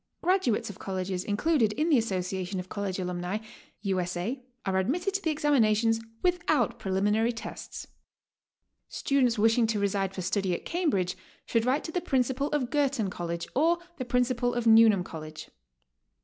Graduates of colleges included in the Association of College Alumnae, U. S. A., are admitted to the examinations without preliminary tests. Students wishing to reside for study at Cambridge should write to the Principal of Girton College, or the Principal of Newnham College.